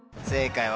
正解！